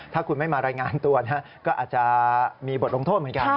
ถ้าคุณไม่มารายงานตัวก็อาจจะมีบทลงโทษเหมือนกัน